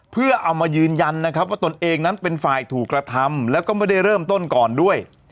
เพื่อเอามายืนยันนะครับว่าตนเองนั้นเป็นฝ่ายถูกกระทำแล้วก็ไม่ได้เริ่มต้นก่อนด้วย